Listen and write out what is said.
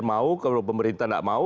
mau kalau pemerintah nggak mau